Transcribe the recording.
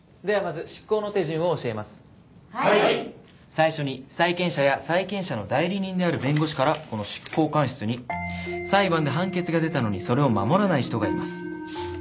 最初に債権者や債権者の代理人である弁護士からこの執行官室に「裁判で判決が出たのにそれを守らない人がいます」